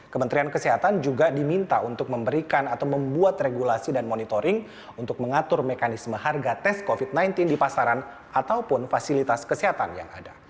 kementerian kesehatan juga diminta untuk memberikan atau membuat regulasi dan monitoring untuk mengatur mekanisme harga tes covid sembilan belas di pasaran ataupun fasilitas kesehatan yang ada